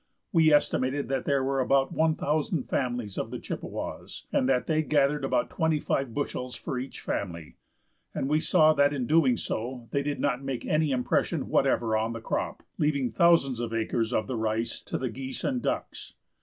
We estimated that there were about 1,000 families of the Chippewas, and that they gathered about twenty five bushels for each family, and we saw that in so doing they did not make any impression whatever on the crop, leaving thousands of acres of the rice to the geese and ducks.